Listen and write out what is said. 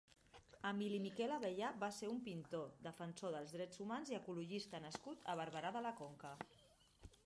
Emili Miquel Abellà va ser un pintor, defensor dels drets humans i ecologista nascut a Barberà de la Conca.